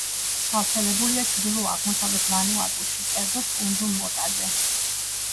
გავრცელებულია ჩრდილო-აღმოსავლეთ ვანუატუში, კერძოდ, კუნძულ მოტაზე.